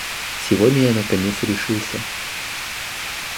Сегодня я наконец решился.